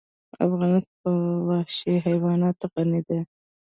افغانستان په وحشي حیوانات غني دی.